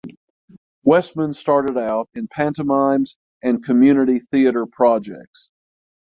Westman started out in pantomimes and community theatre projects.